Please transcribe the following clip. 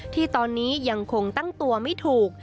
ที่ตอนนี้ยังคงตั้งตัวไม่ถูก